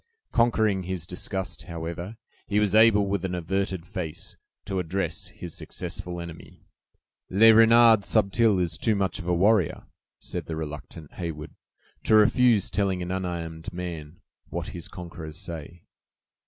Conquering his disgust, however, he was able, with an averted face, to address his successful enemy. "Le Renard Subtil is too much of a warrior," said the reluctant Heyward, "to refuse telling an unarmed man what his conquerors say."